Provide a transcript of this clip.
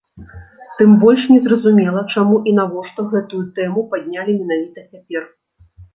Тым больш не зразумела, чаму і навошта гэтую тэму паднялі менавіта цяпер?